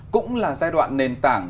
cũng là giai đoạn nền tảng